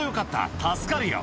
助かるよ。